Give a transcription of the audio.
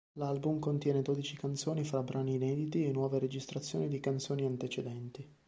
L'album contiene dodici canzoni fra brani inediti e nuove registrazioni di canzoni antecedenti.